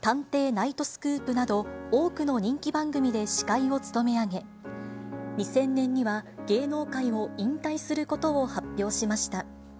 ナイトスクープなど、多くの人気番組で司会を務めあげ、２０００年には芸能界を引退することを発表しました。